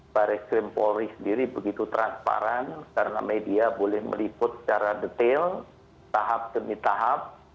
baris krim polri sendiri begitu transparan karena media boleh meliput secara detail tahap demi tahap